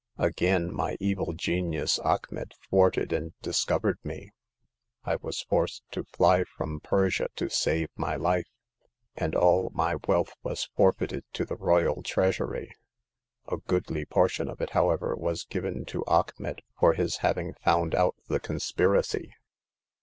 Again my evil genius Achmet thwarted and discovered me. I was forced to fly from Persia to save my life ; and all my wealth was forfeited to the royal treasury. A goodly portion of it, however, was given to Achmet for his having found out the conspiracy.